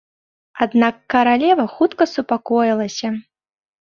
Аднак каралева хутка супакоілася.